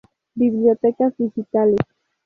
Bibliotecas digitales.